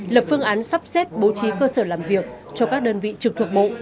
lập phương án sắp xếp bố trí cơ sở làm việc cho các đơn vị trực thuộc bộ